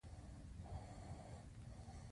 که خیاط دا جامې په اتو ساعتونو کې وګنډي.